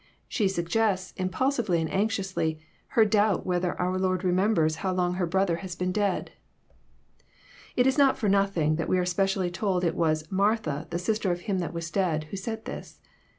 She suggests, impulsively and anxiously, her doubt whether our Lord remembers how long her brother has been dead. It is not for nothing that we are specially told it was " Mar tha, the sister of him that was dead," who said this.